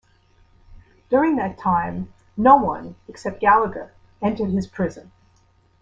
During that time no one, except Gallagher, entered his prison.